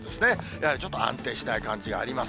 やはりちょっと安定しない感じがあります。